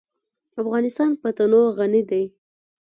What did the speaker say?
افغانستان په تنوع غني دی.